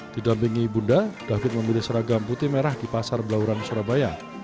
didampingi bunda david memilih seragam putih merah di pasar belauran surabaya